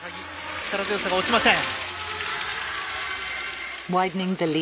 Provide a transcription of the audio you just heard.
力強さが落ちません。